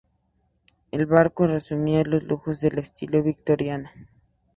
El barco resumía los lujos del estilo victoriano.